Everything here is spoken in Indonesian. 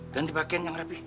ganti pakaian yang rapih